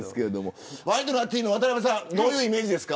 ワイドナティーンの渡邊さんどういうイメージですか。